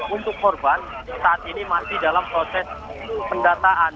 untuk korban saat ini masih dalam proses pendataan